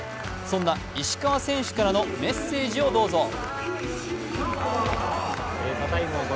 そんな石川選手からのメッセージをどうぞ。